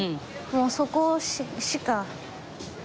もうそこしか。